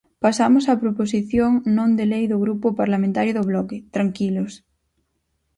Pasamos á proposición non de lei do Grupo Parlamentario do Bloque... ¡Tranquilos!